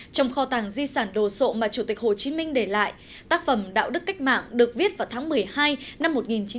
trong kho tàng di sản đồ sộ mà chủ tịch hồ chí minh để lại tác phẩm đạo đức cách mạng được viết vào tháng một mươi hai năm một nghìn chín trăm bốn mươi năm